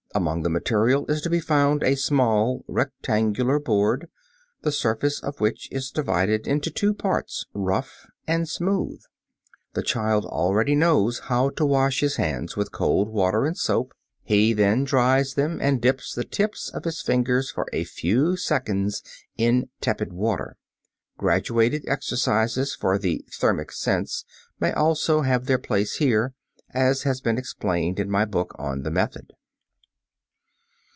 Among the material is to be found a small rectangular board, the surface of which is divided into two parts rough and smooth. (Fig. 13.) The child knows already how to wash his hands with cold water and soap; he then dries them and dips the tips of his fingers for a few seconds in tepid water. Graduated exercises for the thermic sense may also have their place here, as has been explained in my book on the "Method."